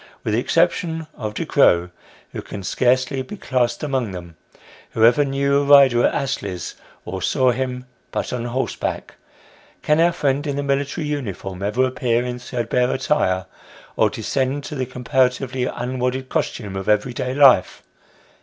With the exception of Ducrow, who can scarcely be classed among them, who ever knew a rider at Astley's, or saw him but on horseback ? Can our friend in the military uniform, ever appear in threadbare attire, or descend to the comparatively tin wadded costume of everyday life